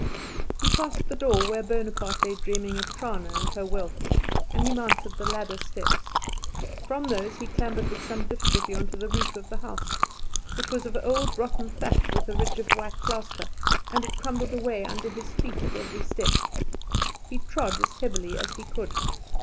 He passed the door where Bonaparte lay dreaming of Trana and her wealth, and he mounted the ladder steps. From those he clambered with some difficulty on to the roof of the house. It was of old rotten thatch with a ridge of white plaster, and it crumbled away under his feet at every step. He trod as heavily as he could.